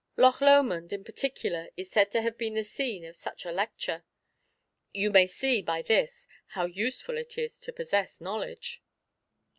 Loch Lomond, in particular, is said to have been the scene of such a lecture. You may see by this, how useful it is to possess knowledge.